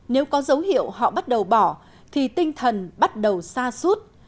nếu có dấu hiệu họ bắt đầu bỏ thì tinh thần bắt đầu xa suốt